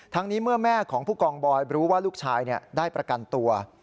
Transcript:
นี้เมื่อแม่ของผู้กองบอยรู้ว่าลูกชายได้ประกันตัว